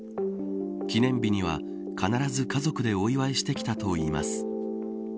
記念日には必ず家族でお祝いしてきたといいます。